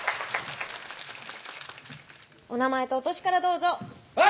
お名前とお歳からどうぞはい！